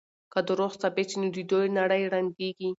که دروغ ثابت شي نو د دوی نړۍ ړنګېږي.